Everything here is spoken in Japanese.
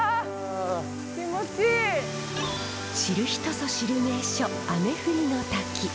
知る人ぞ知る名所雨降りの滝。